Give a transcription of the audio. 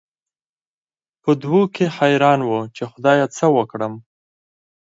په دوو کې حېران وو، چې خدايه څه وکړم؟